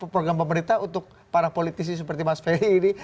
program pemerintah untuk para politisi seperti mas ferry ini